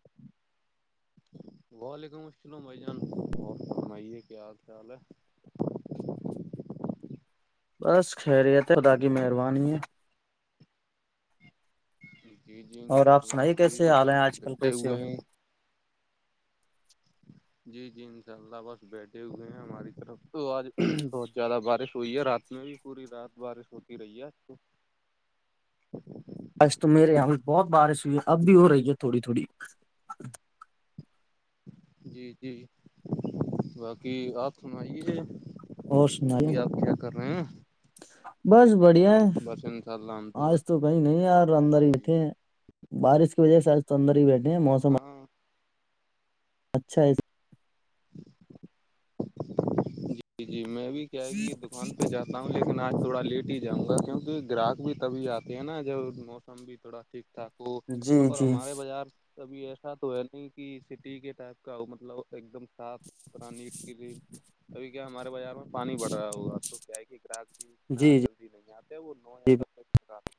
ج وعلیکم السلام اجان صاحب ب فرمائیے کیا حال خال ہے بس خیریت ہے خدا کی مہربانی ہے ہے جی اور انشاء آپ اللہ سنائیے ہم بھی کیسے حال بس ہیں آج کل بیٹھے کیسے ہو ہوئے جی جی انشاء اللہ بس بیٹھے ہوئے ہیں ہماری طرف تو آج بہت زیادہ بارش توئی ہے رات میں بھی پوری رات بارش ہوتی رہی ہے تو ایس تو میرے یہاں بھی بہت بارش ہوئی ہے اب بھی ہو رہی ہے تھوڑی تھوڑی جی جی باقی آپ سنائیے ہے اور سنا بس بڑھیا ہے بس انشاء اللہ ہم بس آج تو کہیں نہیں یار اندر جی ہی جی اٹھے ہیں بارش کی وجہ سے آج تو اندر ہی بیٹھے ہیں موسم ہاں اچھا ہے ج جی جی میں بھی کیا ہے کہ یہ دکان پہ جاتا تا ہ لیکن آج تھوڑا لیٹ ہی جاؤں گا کیوںکہ گراہک بھی تبھی آتے ہیں نا جب موسم بھی تھوڑا ٹھیک ٹھاک ہو جی اور جی ہمارے بازار کبھی ایسا تو ہے نہیں کہ سٹی کے ٹائپ کا ہو مطلب ایک دم صاف ستھرا ن ابھی کیا ہمارے بازار میں پانی بڑ رہا ہوا تو کیا ہے کہ گراہک بھی اتنا جی جی جل جی [unintelligible]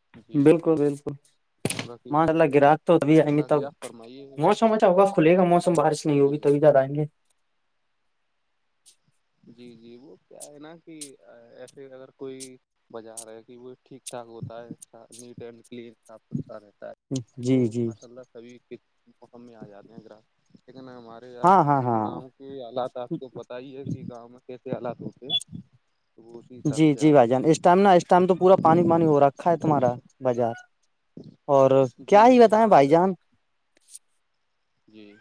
ہیں۔ جی بالکل بالکل باقی ملہ گراہک تو بھی تب باقی آپ [unintelligible] فرمائیے موسم اچھا ہواھلے گ موسم بارش نہیں جی ہوگی توبھی زدہ آئ گے [unintelligible] جی جی وہ کیا ہے نا کہ ایسے اگر کوئی [unintelligible] بجار ہے کہ وہ ٹھیک ٹھاک ہوتا ہے نیٹ اینڈ کلین صاف ستھرا رہتا ہے [unintelligible] تو جی جی ماشاء اللہ سبھی کس مکم میں آ جاتے ہیں ا گرا نام ہمارا [unintelligible] آپ ہاں ہاں ہاں گاؤں کے آالات آپ کو پت ہی ہے [unintelligible] کہ گاؤں میں کیسے آلات ہوتے تو وہ اسی حساب جی سے جی آتے بھائی جان ہیں [unintelligible] اس ٹائم نا اس ٹائم تو پورا پانی پانی ہو رکھا ہے تمہارا بازار [unintelligible] اور کیا جی ہی جی بتائیں ہاں بھائی ادھر جان [unintelligible] جی [unintelligible]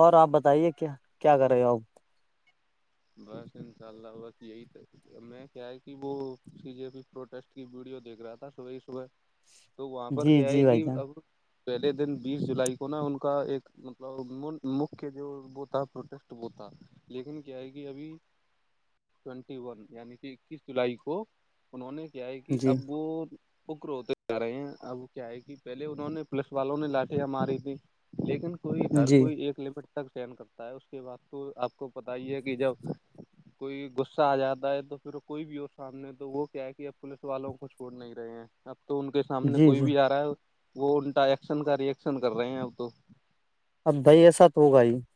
اور آپ بتائیے کیا کیا کر رہے ہو آپ [unintelligible] بس انشاء اللہ بس یہی تھا [unintelligible] میں کیا ہے کہ وہ سی جے پی پروٹیسٹ کی ویڈیو دیکھ رہا تھا صب ہی صبح [unintelligible] تو وہاں پر جی کیا جی ہے بھائی کہ جان اب پہلے دن بیس جولائی کو نا ان کا ایک [unintelligible] مطلب مک جو بتا پروسٹ بتا ہے لیکن [unintelligible] جئے گی ابھی ٹوینٹی ون یعنی کہ اکیس جولائی کو انہوں نے کیا ہے کہ جی اب وہ پکروتے [unintelligible] ج رہے ہیں اب کیا ہے کہ پہلے انہوں نے پولیس والوں نے لاٹیاں ماری تھی [unintelligible] لیکن کوئی ہر جی کوئی ایک لمٹ تک چین کرتا ہے اس کے بعد تو آپ کو [unintelligible] بت ہی ہے کہ جب [unintelligible] کوئی غصہ آ جاتا ہے تو پھر کوئی بھی ہو سامنے تو وہ کیا ہے کہ اب پوولس والوں کو چھوڑ نہیں رہے ہیں [unintelligible] اب تو ان کے سامنے جی کوئی جی بھی آ رہا ہے وہ ان کا ایکشن کا ری ایکشن کر رہے ہیں اب تو [unintelligible] اب بھائی ایسا تو ہوگا ہی [unintelligible]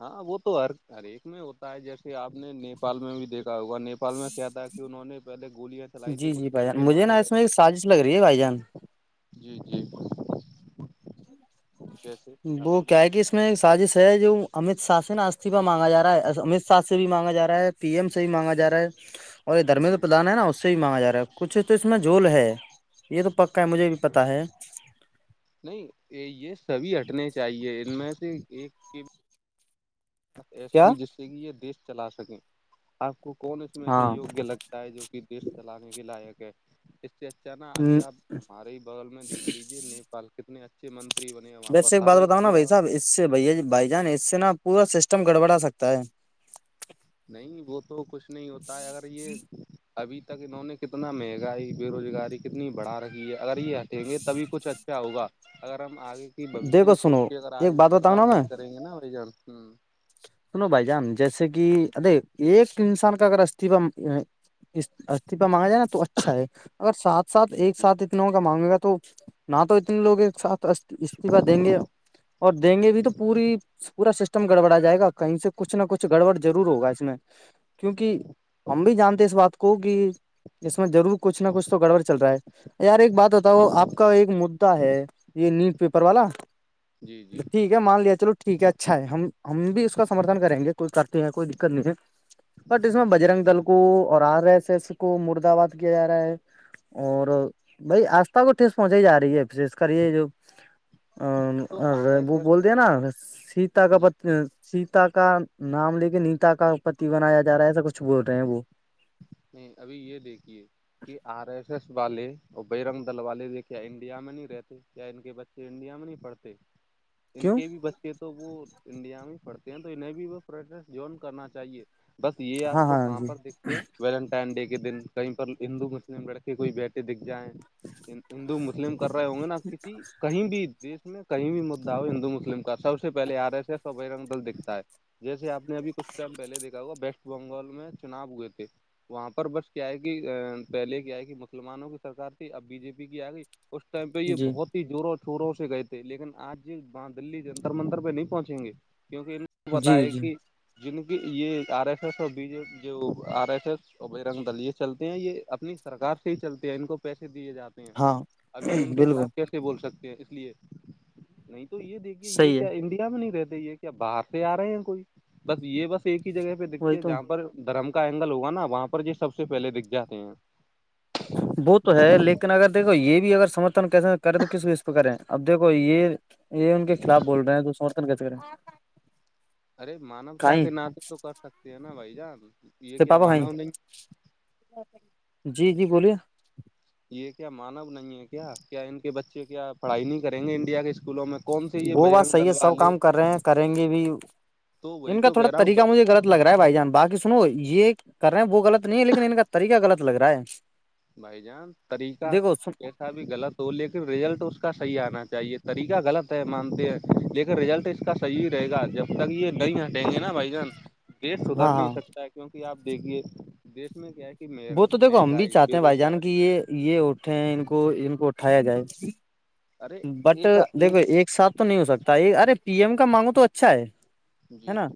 ہاں وہ تو ہر ہر ایک میں ہوتا ہے جیسے آپ نے نیپال میں بھی دیکھا [unintelligible] ہوا نیپال میں کیا تھا کہ انہوں نے پہلے گولیاں [unintelligible] جی جی کچھ بھائی جان لڑکے مجھے نا مارے گئے اس میں تھے ایک سازش لگ رہی ہے بھائی جان [unintelligible] جی جی [unintelligible] جیسے آپ وہ کیا ہے کہ فرمائیے اس کا [unintelligible] میں ایک سازش ہے جو امت شاہ سے نا استفا مانگا ج رہا ہے امت شاہ سے بھی مانگا جا ہے [unintelligible] پی ایم سے ہی مانگا ج رہا ہے اور یہ دھرمندر جی پردان ہے نا اس [unintelligible] سے بھی مانگا جا رہا ہے کچھ تو اس میں جول ہے یہ تو پکا ہے مجھے بھی پتا ہے [unintelligible] نہیں یہ سبھی ہٹنے چاہیے ان میں سے ایک [unintelligible] ایسا کیا ہی جس سے کہ یہ دیش چلا سکے آپ کو کون اس میں سے ہاں یگیہ لگ [unintelligible] جو کہ دیش چلانے کے لائق ہے اس سے اچانا ابھی آپ [unintelligible] ہمارے ہی بغل میں دھ لیجے نیپال کتنے اچھے منتری بنے ہیں وہاں ویسے پر بات ہر بتاؤ ایک نا بھائی پورا صاحب اس سے بھیا جی بھائی جان اس سے نا پورا سسٹم گڑبڑا سکتا ہے نہیں وہ تو کچھ نہیں ہوتا ہے اگر یہ ابھی تک انہوں نے کتنا مہنگائی بے روزگاری کتنی بڑھا رکھی ہے اگر یہ دیں گے تبھی کچھ اچھا ہوگا اگر ہم آگے کی بھشیہ دیکھو کی سوچ سنو کے اگر آج ایک بات بتاؤں بدلاؤ نا میں نہیں کریں گے نا بائی جان ہاں سنو بھائی جان جیسے کہ ارے ایک انسان کا اگر استفا استفا مانگا جائے نا تو اچھا ہے اگر سات ساتھ جی ایک جی ساتھ اتنوں کا مانگے گا تو نہ تو اتنے لوگ ایک ساتھ استفا دیں گے اور دیں گے بھی تو پوری پورا سسٹم گڑبڑا جائے گا کہیں سے کچھ نہ کچھ گڑبڑ ضرور ہوگا اس میں کیونکہ ہم بھی جانتے اس بات کو کہ اس میں ضرور کچھ نہ کچھ تو گڑبڑ چل رہا ہے یار ایک بات بتاؤ آپ کا ایک مدا ہے یہ نیوز پیپر والا جی جی ٹھیک ہے مان لیا چلو ٹھیک ہے اچھا ہے ہم بھی اس کا سمتھن کریں گے کوئی کرتے ہیں کوئی دقت نہیں ہے بٹ اس میں جی بجرنگ جی دل کو کو اور آر ایس ایس کو مردباد کیا جا رہا ہے اور بھائی آستھا کو ٹھس پہنچ ہی جا رہی ہے کریے جو تو آر ایس وہ ایس بولتے ہیں نا سیتا کا پ جی جی نیتا کا نام لے کے نیتا کا پتی بنایا جا رہا ہے ایسا کچھ بول رہے ہیں وہ نہیں ابھی یہ دیکھیے کہ آر ایس ایس والے اور برنگ دل والے دیکھے انڈیا میں نہیں رہتے ان کے بچے انڈیا میں نہیں پڑھتے [inaudible] ان کے بھی بچے تو وہ انڈیا میں پڑھتے ہیں تو انہیں بھی وہ جون کرنا چاہیے بس یہ آپ ہاں کو ہاں کہاں جی پر دیکھتے ہیں ویلنٹائن ڈے کے دن کہیں پر ہندو مسلم لڑکے کوئی بیٹھے دکھ جائیں ہندو مسلم کر رہے ہوں گے نا کسی کہیں بھی دیش میں کہیں بھی مدا ہو ہندو مسلم کا سب سے پہلے آر ایس ایس اور بہرنگ دل دکھتا ہے جیسے آپ نے ابھی کچھ ٹائم پہلے دیکھا ہوا ویسٹ بنگال میں چناب ہوئے تھے وہاں پر بس کیا ہے کہ پہلے کیا ہے کہ مسلمانوں کی سرار تھی اب بی جے پی کی آ گئی اس ٹائم پہ یہ جی بہت جووروں چوروں سے گئے تھے لیکن آج وہاں دلی جنتر منتر پہ نہیں پہنچیں گے کیکہ جی بتائے جی کہ جن کی یہ آر ایس ایس اور بی جے پی جو آر ایس ایس اور برنگ دل یہ چلتے ہیں یہ اپنی سرار سے ہی چلتے ہیں ان کو پیسے دیے جاتے ہیں ہیں ہاں اب یہ ان کے بالکل خلاف کیس بول سکتے ہیں اس لیے نہیں تو یہ دیکھیے یہ صحیح ہے کیا انڈیا میں نہیں رہتے یہ باہر سے آ رہے ہیں کوئی بس یہ بس ایک ہی جگہ پہ دیکھتی وہی ہے تو جہاں پر دھرم کا اینگل ہوگا نا وہاں پر جو سب سے پہلے دکھ جاتے ہیں وہ تو ہے لیکن اگر دیکھو یہ بھی اگر سمرھن کیسے کریں تو کس کو اس پہ کریں اب دیکھو یہ یہ ان کے خلاف بول رہے ہیں تو سمرتھن کتے کرے ارے مانوتا کے ناط تو کر سکتے ہیں نا بھائی جان یہ کیا پابا بھائی مانو نہیں جی جی بولیے یہ کیا مانو نہیں ہے کیا کیا ان کے بچے کیا پڑھائی نہیں کریں گے انڈیا کے اسکولوں میں کون سےی یہ وہ بات بجرنگ صحیح دل ہے سب والے کام کر رہے ہیں کریں گے بھی تو وہی ان کا تو تھوڑا کہہ رہا ہوں طریقہ مجھے گغط لگ رہا ہے بھائی جان بقی سنو یہ کر رہے ہیں وہ غط نہیں ہے لیکن ان کا طریقہ غلط لگ رہا ہے بھائی جان طریقہ دیکھو سن، ا بھی غلط ہو لیکن رزلٹ اس کا صحیح آنا چاہیے طریقہ غلط ہے مانتے ہیں لیکھن رزلٹ اس کا صحیح رہے گا جب تک یہ نہیں ہٹیں گے نا بھائی جان دیش سدھر ہاں نہیں ہاں سکتا ہے کیونکہ آپ دیکھیے دیش میں کیا ہے کہ م وہ تو دیکھو ہم بھی مہنگائی چاہتے بے بھائی جان کی روزگاری یہ یہ اٹھے ہیں ان کو ان کو اٹھایا جائے ارے بٹ ایک دیکھو ایک ساتھ تو نہیں ہو سکتا یہ ارے پی ایم کا مانگو تو اچھا ہے ہے جی نا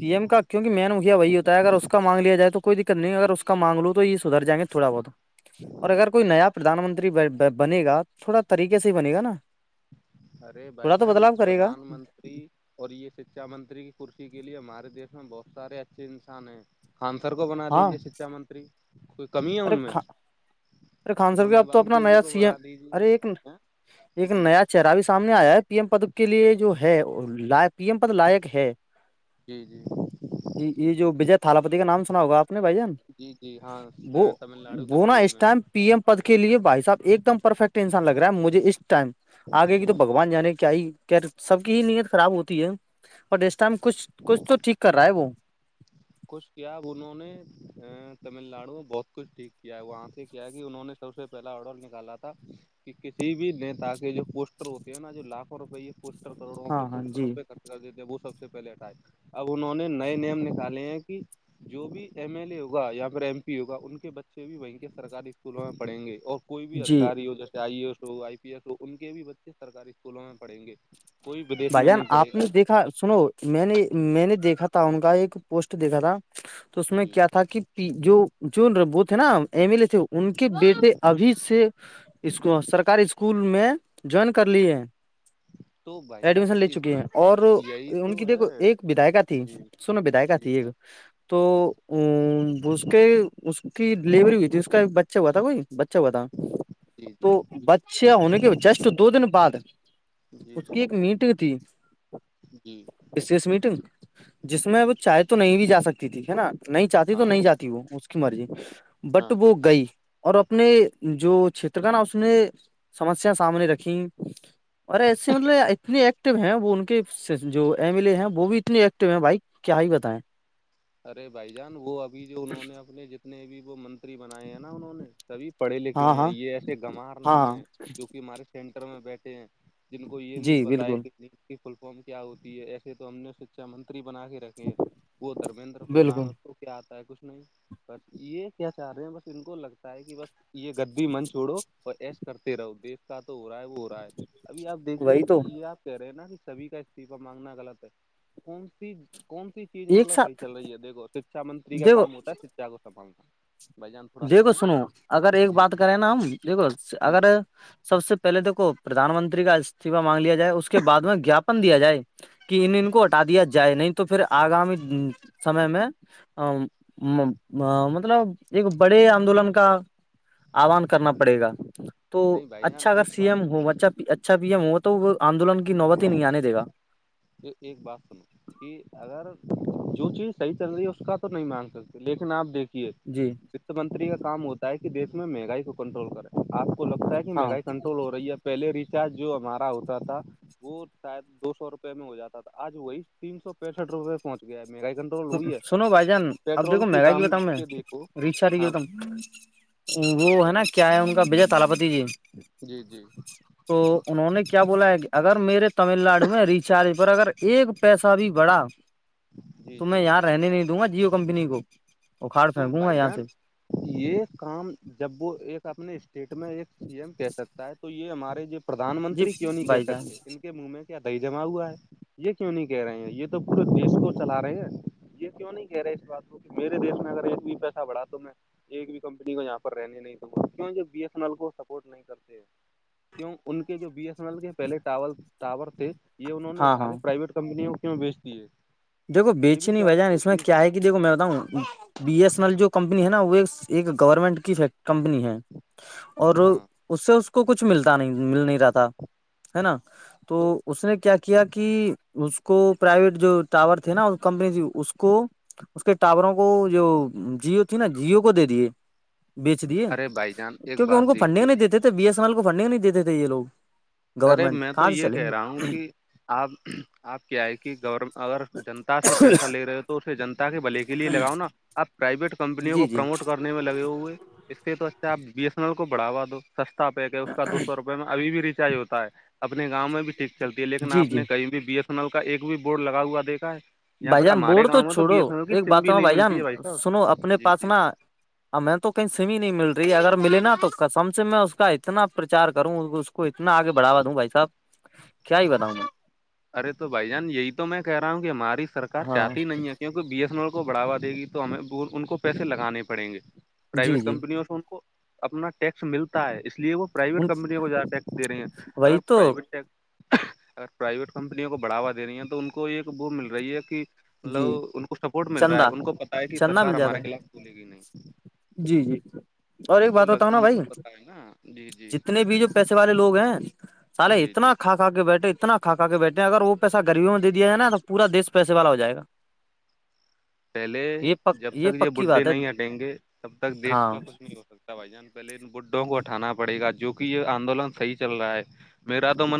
پی ایم کا کیونکہ مین مکھیا وہی ہوتا ہے اگر اس کا مانگیا جائے تو کوئی دقت نہیں اگر اس کا مان لو تو اس ادھر جائیں گے تھوڑا بہت اور اگر کوئی نیا پردھان منتری بنے گا تو تھوڑا طریقے صحی بنے گ نا ارے بھائی تھوڑا تو جان بدلاؤ کرے گا پردھان منتری اور یہ شکچھا منتری کی کرسی کے لیے ہمارے دیش میں بہت سارے اچھے انسان ہیں خانسر کو بنا ہاں دیجیے سکھا منتری کوئی کمی ہے ارے ان میں ارے خان صاحب اب سونم تو اپنا وانگچو جی نیا کو سی ایم بنا ارے دیجیے ایک ایک جی نیا جی چرہ بھی سامنے آیا ہے پی ایم پد کے لیے جو ہے پی ایم پد لائق ہے جی جی یہ یہ جو وجے تھالاپتی کا نام سنا ہوگاپ نے بھائی جان جی جی ہاں وہ تمل ناڈو کے وہ سی نا ایم اس ہے وہ ٹائم ایم پد کے لیے بھائی صاحب ایک دم پرفیکٹ انسان لگ رہا ہے مجھے اس ٹائم آگے کی تو بگوان کان جانے کی کیااہی کیا سب کی ہی نیت خراب ہوتی ہے اور اس ٹائم کچھ کچھ تو ٹھیک کر رہا ہے وہ کچھ کیا ا انہوں نے ا تمل ناڈو بہت کچھ ٹھیک کیا ہے وہاں سے کیا ہے کہ انہوں نے سب سے پہلا اڈل نکالا تھا کہ کسی بھی نیتا کے جو پوسٹر ہوتے ہے نا جو لاکھوں روپ پوسٹر کروڑوں ہاں پ ہاں پوسٹروں جی پہ خرچ کر دیتے ہیں وہ سب سے پہے ہٹھائے اب انہوں نے نئے نیم نکال چالے ہیں کہ جو بھی ایم ایل اے ہوگا یا پھر ایم پی ہوگا ان کے بچے بھی وہیں کے سرکاری اسکولوں میں پڑھیں گے اور کوئی بھی جی ادھکاری ہو جیسے آئی ای ایس ہو آئی پی ایس ہو ان کے بھی بچے سرکاری اسکولوں میں پڑھیں گے کوئی ودیش بھ میں جان نہیں پڑے آپ گا نے دیکا سنو میں نے میں نے دیکھا تھا ان کا ایک پوسٹ دیکھا تھا تو اس میں جی کیا تھا کہ جو جو وہ تھے نا ایم ایل اے تھے ان کے بیٹے ابھی سے اس سرکاری اسکول میں جوائن کر لیے تو بھائی جان ایڈمیشن لے چکی ہیں اور یہی ان کی تو دیکھو ہے ایک ودایکا تھی جی سنو بدا کا جی تھی ایک جی تو اس کے اس کی ڈیلیوری ہوئی تھی اس کا بچہ ہوا تھا کوئی بچہ بتا جی تو بچہ ہونے کے جسٹ دو دن بعد جی جی میٹ ک ت [inaudible] جی شش میٹنگ جس میں وہ چاہے تو نہیں بھی جا سکتی تھی ہے نا نہیں چاہتی تو ہاں نہیں جاتی وہ اس کی مرضی ہاں بٹ ہاں وہ گئی اور اپنے جو چھیتر کا نا اس میں سمسیا سامنے رکھی اور ای سی مطلب [inaudible] اتنے ایکٹو ہیں وہ ان کے جو ایم ایل اے ہیں وہ بھی اتنے ایکٹو ہیں بھائی کیا ہی بتائیں ارے بھائی جان وہ ابھی جو انہوں نے اپنے جتنے بھی وہ منتری بنائے ہیں نا انہوں نے سبھی پڑھے لکھے ہاں ہیں ہاں یہ ایسے گمار نہیں ہاں ہے کیونک کہ ہمارے سینٹر میں بیٹھے ہیں جن کو یہ جی نہیں پتا ہے بالکل کہ کی پرفارم کیا ہوتی ہے ایسے تو ہم نے شکچھا منتری بنا کے رکھے ہیں دمینندر پردھان بالکل اس کو کیا آتا ہے کچھ نہیں بس یہ کیا چاہ رہے ہیں بس ان کو لگتا ہے کہ بس یہ گردی من چھوڑو اور ایش کرتے رہو دیکھ کا تو ہو رہا ہے وہ ہو رہا ہے ابھی آپ دیکھیے وہی کہ تو یہ آپ رہے نا کہ سبھی کا استعفا مانگنا غلط ہے کون سی کون سی چیز ایک مطلب صحیح ساتھ چل رہی ہے دیکھو شکچھا منتری کا دیکھو کام ہوتا ہے شکھا کو سنبھالنا بھائی جان تھوڑا دیکھو سنیں سنو اگر ایک جی بات کریں نا ہم دیکھو جی اگر سب سے پہل دیکھو پردان منتری کا استعفا مانگ لیا جائے اس کے بعد میں جاپن دیا جائے کہ ان ان کو ہٹا دیا جائے نہیں تو پھر آگامی سمے میں مطلب ایک بڑے آندولن کا آان کرنا پڑے گا تو نہیں بھائی جان اچھا اگر ایک سی ایم بات ہو اھا اچھا پی ایم ہو تو تو وہ آندولن کی نوبتی ہی نہیں آنے دے گا یہ ایک بات سنو کہ اگر جو چیز صحیح چل رہی ہے اس کا تو نہیں مانگ سکتے لیکن آپ دیکھیے جی وت منتری کام ہوتا ہے کہ د دیش میں مہگائی کو کنٹرول کرے آ کو لگتا ہے کہ ہاں مہگائی کنٹر ہو رہی ہے پہلے ریچارج جو ہمارا ہوتا تھا وہ شاید دو سو روپے میں ہو جاتا تھا آج وہی تین سو پینسٹھ روپئے پہنچ گیا ہے مہنگائی کنٹرول ہوئی ہے سنو بھائی جان اب پیٹرول دیکھو مہنگا کی دام ہوتاوں میں کے دیکھو ریشا کی ہاں ہوتا وہ ہے بھائی نا جان کیا ہے ان کا بجے تالپتی جی جی جی تو انہوں نے کیا بولا ہے کہ اگر میرے تمل ناڈو میں ریچارج پر اگر ایک پیسہ بھی بڑھا جی تو میں جی یہاں جی رہنے نہیں دوں گا جیو کمپنی کو اکھاڑ تو پھینکوں گا بھائی یہاں جان سے یہ کام جب وہ ایک اپنے اسٹیٹ میں ایک سی ایم کہہ سکتا ہے تو یہ ہمارے یہ پردان جی منتری کیوں نہیں کہہ بھائی جان سکتے ان کے کے منہ میں کیا دہی جمع ہوا ہے یہ کیوں نہیں کہہ رہے ہیں یہ تو پورے دیش کو چلا رہے ہیں یہ کیوں نہیں کہہ رہے اس بات کو میرے دیش میں اگر ایک بھی پیسہ بڑھا تو میں ایک بھی کمپنی کو یہاں پر رہنے نہیں دوںا کی بی ایس ایین ایل کو سپورٹ نہیں کرتے کیوں ان کے جو بی ایس این ایل کے پہلے ٹاور تھے یہ انہوں نے ہاں اٹھا ہاں کے پرائیویٹ کمپنیوں کیوں بیچ دی ہے دیکو بیچے نہیں بجان اس میں کیا ہے کہ دیکو میں بتاؤں بی ایس این ایل جو کمپنی ہے نا وہ ایک گورنمنٹ کی کمپنی ہے اور ہاں اس سے اس کو کچھ ملتا نہیں مل نہیں رہتا ہے نا تو اس نے کیا کیا کہ اس کو پرائیویٹ جو ٹاور تھے نا کمپنی اس کو اس کے ٹاوروں کو جو جیو تھی نا جیو کو دے دیے بیچ دیے ارے بھائی جان ایک کیونکہ بات ان کو فنڈنگ دیکھیے نہیں دیتے تھے بی ایس ایین ایل کو فنڈنگ نہیں دیتے تھے یہ لوگ ارے گورنمنٹ میں تو کہاں سے یہ چلیں کہہ رہا گے ہوں کہ آپ آپ کیا ہے کہ گور اگر جنتا سے پیسہ لے رہے ہو تو سے جنتا کے بلے کے لے لگاؤ نا آپ پرائائیویٹ کمپنیوں جی کو جی پروموٹ کرو میں لگے ہوئے اس سے تو اچھاپ بی ایس ایین ایل کو بڑاوا دو سستا پیک ہے اس کا دو سو روپئے ابھی بھی ریچارج ہوتا ہے اپنے گاؤں میں بھی ٹھیک چلتی ہے لیکن جی آپ جی نے کہیں بھی بی ایس نل کا ایک بھی بورڈ لگا ہوا دیکھا ہے یہاں بھائی پر جان بور ہمارے تو گاؤں میں بی چھوڑو ایس این ایل کی ایک سم بات بھی نہیں بھائی ملتی جان ہے صاحب سنو اپنے جی پاس جی نا میں تو کہیں سم ہی نہیں مل رہی اگر ملے نا تو سم سے میں اس کا اتنا پرچار کروں کو اتنا آگے بڑھاوا دوں بھائی صاحب کیا ہی بتاؤں میں ارے تو بھائی جان یہی تو میں کہہ رہا ہوں کہ ہماری سرار ہاں چاہتی نہیں ہے کیوںکہ بی ایس ا ا کو بڑھوا دےی تو ہمیں ان کو پیسے لگانے پڑیں گے جی پرائیویٹ جی کمپنیوں سے ان کو اپنا ٹیکس ملتا ہے اس لیے وہ پرائیویٹ ان کمپنیوں کو زیادہ ٹیکسے رہی ہیں اگر وہی تو پرائیویٹ ٹیکس اگر پرائیویٹ کمپنیوں کو بڑھا دے رہی ہیں تو ان کو یہ ایک ب مل رہی ہے کہ جی مطلب ان کو سپورٹ مل رہا ہے چندہ ان کو پت ہے کہ چندہ سرار مل جاتا ہمارے خلاف بھولے گی نہیں جی جی اور ایک ان کو بات بتاؤ لگ نا ان بھائی کو پتا ہے نا جی جی جتنے بھی جو پیسے والے لوگ ہیں سالے جی اتنا جی خا ھ ب بیھے اتنا کا کے بیٹھے اگر وہ پیہاغبیوں میں دیاائے نا تو پور دش پیسے والا ہو جائے گا پہلے یہ پ جب تک یہ پکی بڈھے بات ہے نہیں ہٹیں گے تب تک دیش ہاں کا کچھ نہیں ہو سکتا بھائی جان پہے بڈھوں کو ہٹھانا پڑےا جو کہ یہ آندولن صحی چل رہا ہے میرا تو من